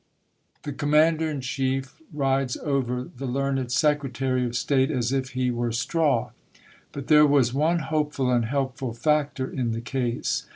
"The Commander in Chief rides over the learned Secretary of State as if he were straw." But there was one hopeful and helpful factor in the case.